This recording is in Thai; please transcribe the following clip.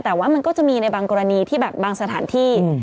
แต่ว่ามันก็จะมีในบางกรณีที่แบบบางสถานที่